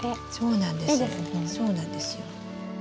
そうなんですよ。